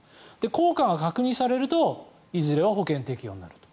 効果が確認されるといずれは保険適用になると。